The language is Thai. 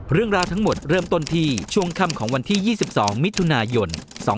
เรื่องราวทั้งหมดเริ่มต้นที่ช่วงค่ำของวันที่๒๒มิถุนายน๒๕๖๒